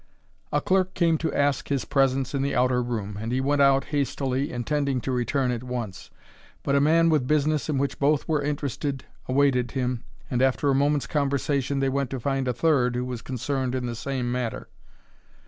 A clerk came to ask his presence in the outer room, and he went out hastily, intending to return at once. But a man with business in which both were interested awaited him, and after a moment's conversation they went to find a third who was concerned in the same matter.